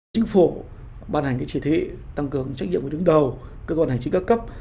chính phủ bàn hành trị thị tăng cường trách nhiệm của đứng đầu cơ quan hành chính cao cấp